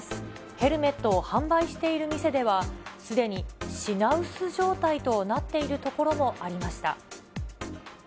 ヘルメットを販売している店では、すでに品薄状態となっているところもありました。